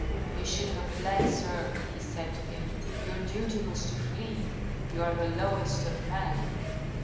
" You should have fled, sir," he said to him. " Your duty was to flee. You are the lowest of men."